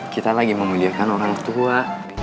kita lagi memujakan orang tua